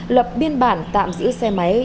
lập biên bản tạm giữ xe máy